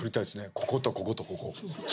こことこことここ！